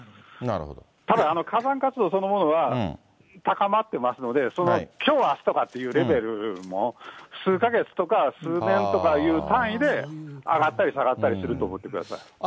ただ、火山活動そのものは、高まってますので、きょう、あすとかいうレベルも、数か月とか数年とかという単位で上がったり下がったりすると思ってください。